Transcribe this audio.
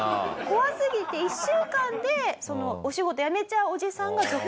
怖すぎて１週間でお仕事辞めちゃうおじさんが続出すると。